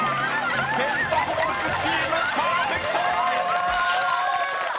［セント・フォースチームパーフェクト！］